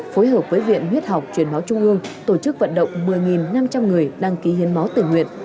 phối hợp với viện huyết học truyền máu trung ương tổ chức vận động một mươi năm trăm linh người đăng ký hiến máu tình nguyện